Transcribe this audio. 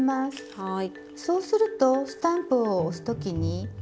はい。